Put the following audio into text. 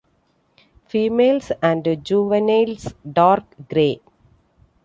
Females and juveniles dark grey.